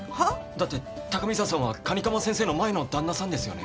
だって高見沢さんは蟹釜先生の前の旦那さんですよね？